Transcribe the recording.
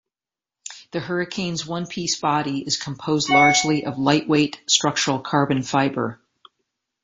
The Hurricane's one-piece body is composed largely of light-weight structural carbon fiber.